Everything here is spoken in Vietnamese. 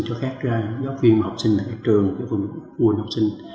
cho các giáo viên học sinh ở các trường các quân học sinh